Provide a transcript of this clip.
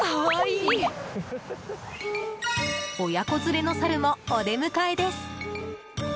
親子連れのサルもお出迎えです。